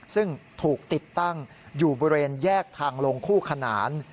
ซึ่งถูกติดตั้งอยู่บริเวณแยกทางลงคู่ขนาน